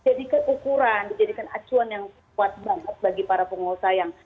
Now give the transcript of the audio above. jadikan ukuran dijadikan acuan yang kuat banget bagi para pengusaha yang